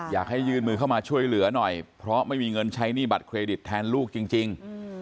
ยื่นมือเข้ามาช่วยเหลือหน่อยเพราะไม่มีเงินใช้หนี้บัตรเครดิตแทนลูกจริง